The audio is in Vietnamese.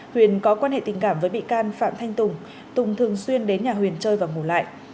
huyền có quan hệ tình cảm với bị can phạm thanh tùng tùng thường xuyên đến nhà huyền chơi và ngủ lại